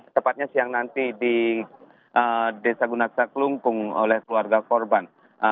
tepatnya siang nanti di desa gunaksa kelungkung oleh keluarga korban